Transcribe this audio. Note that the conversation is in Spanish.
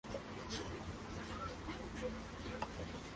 Es una planta arbustiva suculenta.